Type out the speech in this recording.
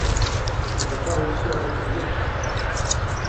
Il n'a pas réussi à recueillir un soutien.